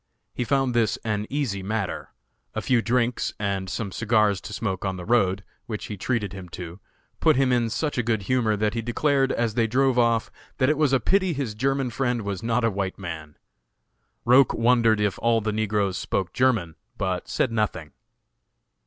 He found this an easy matter. A few drinks and some cigars to smoke on the road which he treated him to put him in such a good humor that he declared, as they drove off, that it was a pity his German friend was not a white man. Roch wondered if all the negroes spoke German, but said nothing.